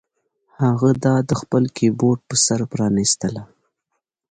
هغه دا د خپل کیبورډ په سر پرانیستله